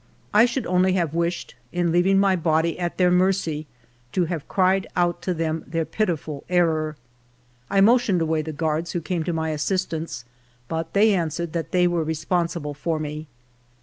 I should only have wished, in leaving my body at their mercy, to have cried out to them their pitiful error. I motioned away the guards who came to my assistance, but they answered that they were responsible for me.